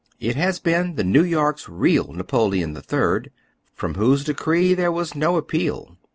It has been New York's real Napoleon III., from whose decree there was no appeal.